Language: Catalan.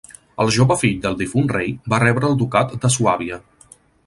El jove fill del difunt rei va rebre el ducat de Suàbia.